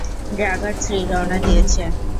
Dagger three, রওনা দিয়েছে।